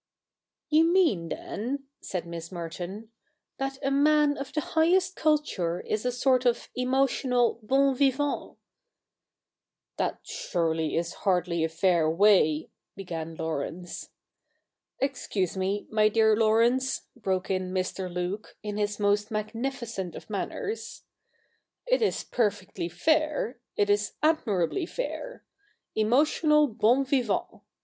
•You mean, then,' said Miss Merton, 'that a man of the highest culture is a sort of emotional bo7i vivajit! ' 'That surely is hardly a fair way—' began Laurence. ' Excuse me, my dear Laurence,' broke in Mr. Luke, in his most magnificent of manners, ' it is perfectly fair — it is admirably fair. Emotional bon viva/it